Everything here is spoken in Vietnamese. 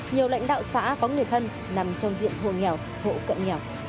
nhiều lãnh đạo xã có người thân nằm trong diện hộ nghèo hộ cận nghèo